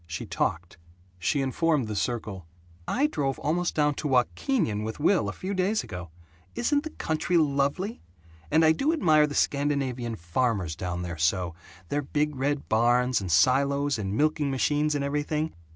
She talked. She informed the circle "I drove almost down to Wahkeenyan with Will, a few days ago. Isn't the country lovely! And I do admire the Scandinavian farmers down there so: their big red barns and silos and milking machines and everything.